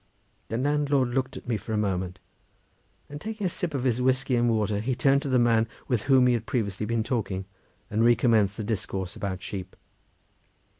The landlord looked at me for a moment, then taking a sip of his whiskey and water, he turned to the man with whom he had previously been talking, and recommenced the discourse about sheep.